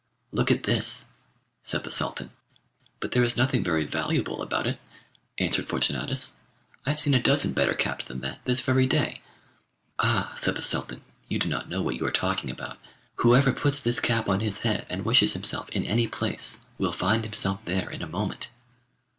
'Look at this,' said the Sultan. 'But there is nothing very valuable about it,' answered Fortunatus. 'I've seen a dozen better caps than that, this very day.' 'Ah,' said the Sultan, 'you do not know what you are talking about. Whoever puts this cap on his head and wishes himself in any place, will find himself there in a moment.